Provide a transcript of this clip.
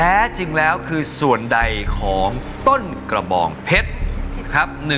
แท้จริงแล้วคือส่วนใดของต้นกระบองเพชรครับ